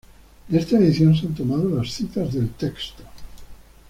De esta edición se han tomado las citas del texto.